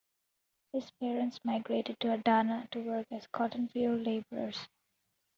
His parents migrated to Adana to work as cotton field laborers.